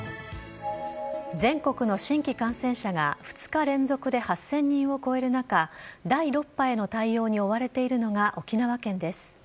全国の新規感染者が２日連続で８０００人を超える中、第６波への対応に追われているのが沖縄県です。